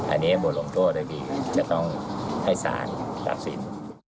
อันนี้มัวลงโทษได้ดีจะต้องให้สารตามสิน